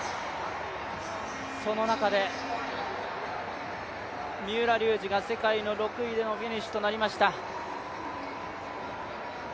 その中で三浦龍司が世界の６位でのフィニッシュとなりました。